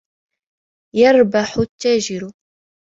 يَرْبَحُ التَّاجِرُ.